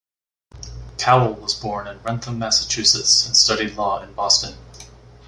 Cowell was born in Wrentham, Massachusetts and studied law in Boston.